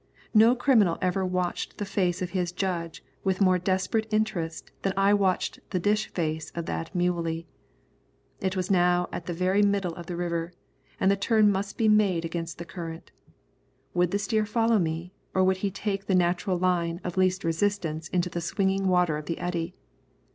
No criminal ever watched the face of his judge with more desperate interest than I watched the dish face of that muley. I was now at the very middle of the river, and the turn must be made against the current. Would the steer follow me, or would he take the natural line of least resistance into the swinging water of the eddy?